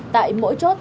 tại mỗi chốt